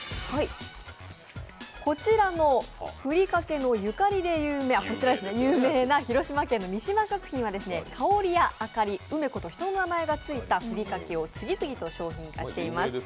こちらのふりかけのゆかりで有名な広島県の三島食品は、かおりやあかり、うめこと人の名前がついた商品を次々と商品化しています。